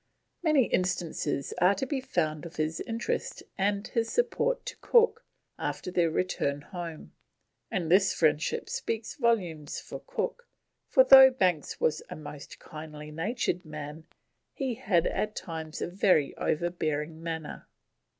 Many instances are to be found of his interest in and his support to Cook after their return home; and this friendship speaks volumes for Cook, for, though Banks was a most kindly natured man, he had at times a very overbearing manner.